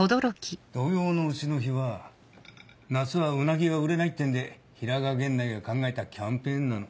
土用の丑の日は夏はウナギが売れないっていうんで平賀源内が考えたキャンペーンなの。